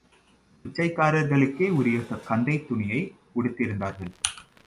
பிச்சைக்காரர்களுக்கே உரிய கந்தைத் துணிகளை உடுத்தியிருந்தார்கள்.